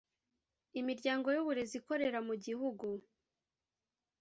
imiryango y uburezi ikorera mu gihugu